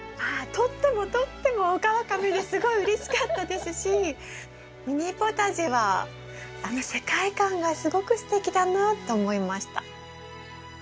とってもとってもオカワカメですごいうれしかったですしミニポタジェはあの世界観がすごくすてきだなと思いました。